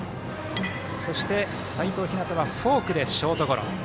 そして、齋藤陽はフォークでショートゴロ。